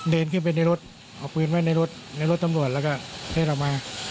เดินขึ้นไปในรถเอาปืนไว้ในรถในรถตำรวจแล้วก็ให้เรามา